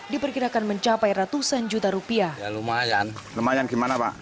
diperkirakan mencapai ratusan juta rupiah